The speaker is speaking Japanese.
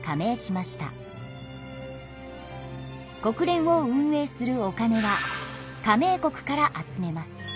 国連を運営するお金は加盟国から集めます。